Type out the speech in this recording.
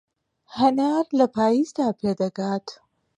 هەنار لە پایزدا پێدەگات.